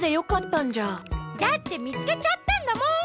だってみつけちゃったんだもん。